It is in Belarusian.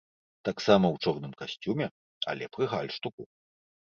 Таксама ў чорным касцюме, але пры гальштуку.